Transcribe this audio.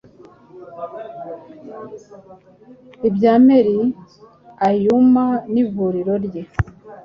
ibya mary auma n'ivuriro rye